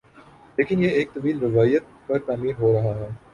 لیکن یہ ایک طویل روایت پر تعمیر ہو رہا ہے